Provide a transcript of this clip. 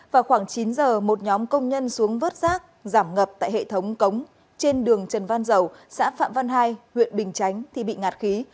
vào khoảng chín giờ một nhóm công nhân xuống vớt rác giảm ngập tại hệ thống cống trên đường trần văn dầu xã phạm văn hai huyện bình chánh thì bị ngạt khí